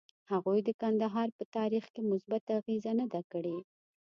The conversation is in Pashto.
هغوی د کندهار په تاریخ کې مثبته اغیزه نه ده کړې.